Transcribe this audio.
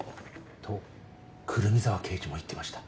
と胡桃沢啓二も言ってました。